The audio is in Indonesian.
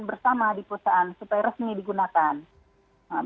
bersama di perusahaan supaya resmi digunakan